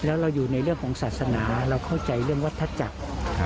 แล้วเราอยู่ในเรื่องของศาสนาเราเข้าใจเรื่องวัฒนาจักร